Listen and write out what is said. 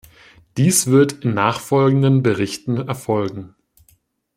Dies wird in nachfolgenden Berichten erfolgen.